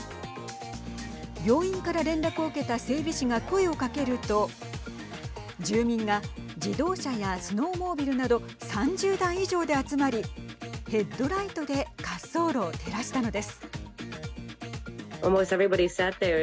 病院から連絡を受けた整備士が声を掛けると住民が自動車やスノーモービルなど３０台以上で集まりヘッドライトで滑走路を照らしたのです。